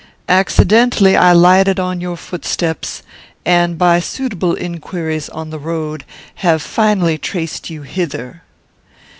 Accidentally I lighted on your footsteps; and, by suitable inquiries on the road, have finally traced you hither.